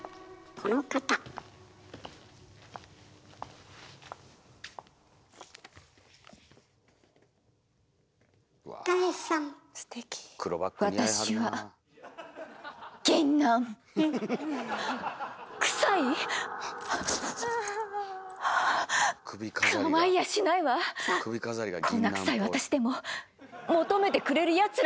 こんなクサい私でも求めてくれるやつらはいるのよ！